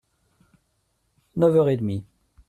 Neuf heures et demie…